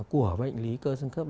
của bệnh lý cơ xương khớp